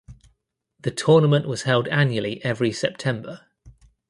The Tournament was held annually every September.